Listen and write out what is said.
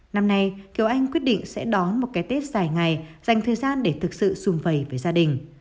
năm nay kiều anh quyết định sẽ đón một cái tết dài ngày dành thời gian để thực sự xung vầy với gia đình